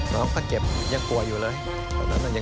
น้องเขาเก็บยังกลัวอยู่เลย